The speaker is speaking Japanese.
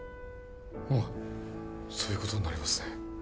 まあそういうことになりますね